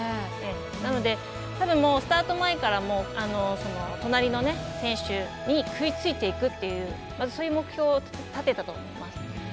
なので、スタート前から隣の選手に食いついていくというまずそういう目標を立てたと思います。